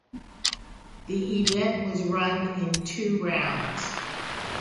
The event was run in two rounds.